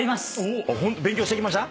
勉強してきました？